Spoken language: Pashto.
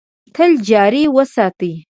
تل جاري وساتي .